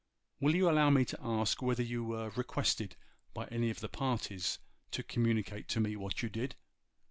Will you allow me to ask whether you were requested by any of the parties to communicate to me what you did?